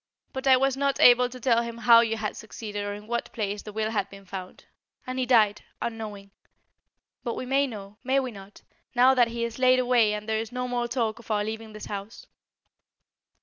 But I was not able to tell him how you had succeeded or in what place the will had been found; and he died, unknowing. But we may know, may we not, now that he is laid away and there is no more talk of our leaving this house?"